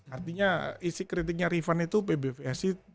artinya isi kritiknya rifan itu pbvsi